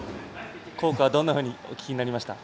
校歌はどんなふうにお聴きになりましたか？